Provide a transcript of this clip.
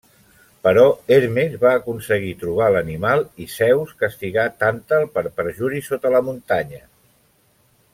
Però Hermes va aconseguir trobar l'animal i Zeus castigà Tàntal per perjuri sota la muntanya.